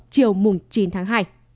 chiều chín tháng hai